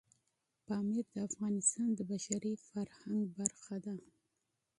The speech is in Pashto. پامیر د افغانستان د بشري فرهنګ برخه ده.